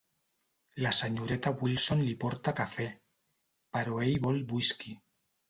La senyoreta Wilson li porta cafè, però ell vol whisky.